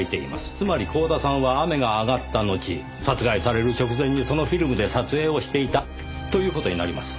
つまり光田さんは雨が上がったのち殺害される直前にそのフィルムで撮影をしていたという事になります。